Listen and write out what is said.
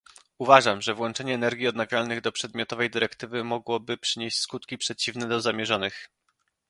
Uważam, że włączenie energii odnawialnych do przedmiotowej dyrektywy mogłoby przynieść skutki przeciwne do zamierzonych